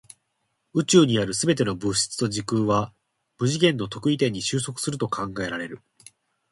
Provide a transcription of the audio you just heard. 宇宙にある全ての物質と時空は無次元の特異点に収束すると考えられる。